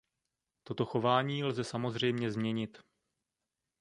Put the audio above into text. Toto chování lze samozřejmě změnit.